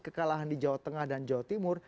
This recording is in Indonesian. kekalahan di jawa tengah dan jawa timur